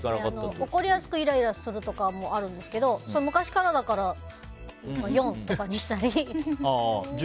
怒りやすくすぐイライラするはあるんですが昔からだから４とかにしたり。